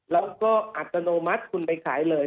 แล้วก็อัตโนมัติคุณไปขายเลย